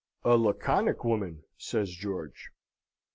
"A Laconic woman," says George.